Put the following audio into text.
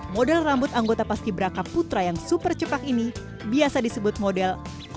model rambut anggota pas ki braka putra yang super cepat ini biasa disebut model satu